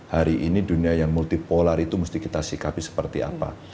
hari ini dunia yang multipolar itu mesti kita sikapi seperti apa